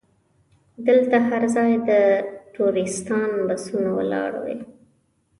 دلته هر ځای د ټوریستانو بسونه ولاړ وي.